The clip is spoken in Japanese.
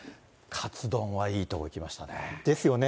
カツ丼はいいところきましたね。